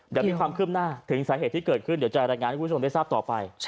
เดี๋ยวมีความคืบหน้าถึงสาเหตุที่เกิดขึ้นเดี๋ยวจะรายงานให้คุณผู้ชมได้ทราบต่อไป